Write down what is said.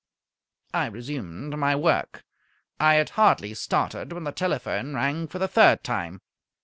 I resumed my work. I had hardly started when the telephone rang for the third time.